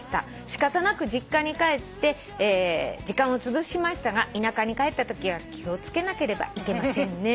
仕方なく実家に帰って時間をつぶしましたが田舎に帰ったときは気を付けなければいけませんね」